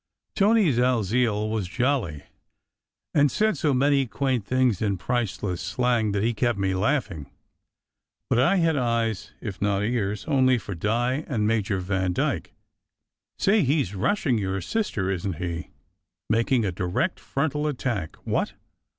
Tony Dalziel was jolly, and said so many quaint things in priceless slang that he kept me laughing; but I had eyes if not ears only for Di and Major Vandyke. "Say, he s rushing your sister, isn t he? Making a direct frontal attack what?"